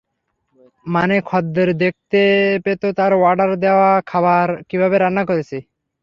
মানে খদ্দের দেখতে পেত তার অর্ডার দেওয়া খাবার কীভাবে রান্না করছি।